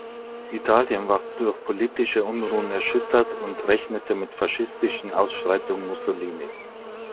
Italien war durch politische Unruhen erschüttert und rechnete mit faschistischen Ausschreitungen Mussolinis.